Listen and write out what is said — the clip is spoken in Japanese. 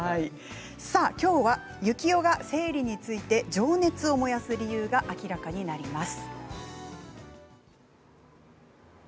今日は幸男が生理について情熱を燃やす理由が明らかになります。